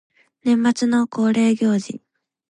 年末の恒例行事